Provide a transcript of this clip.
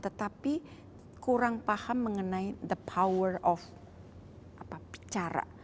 tetapi kurang paham mengenai the power of apa bicara